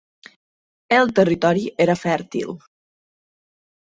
El territori era fèrtil.